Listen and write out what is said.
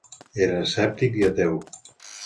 Era escèptic i ateu.